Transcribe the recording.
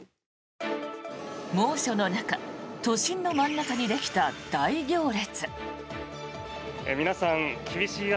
猛暑の中都心の真ん中にできた大行列。